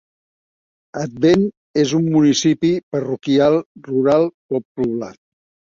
Advent és un municipi parroquial rural poc poblat.